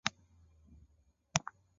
它的总部位于奥维耶多。